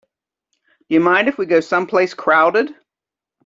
Do you mind if we go someplace crowded?